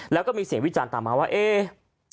แล้วก็มีเสียงวิจารณ์ตามมาว่าเอ๊ะ